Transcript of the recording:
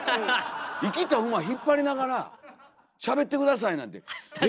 生きた馬引っ張りながらしゃべって下さいなんて「え！」